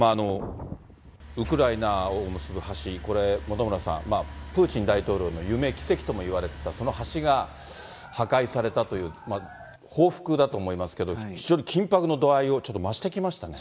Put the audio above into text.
ウクライナを結ぶ橋、これ、本村さん、プーチン大統領の夢、奇跡ともいわれていたその橋が破壊されたという、報復だと思いますけど、非常に緊迫の度合いをちょっと増してきましたね。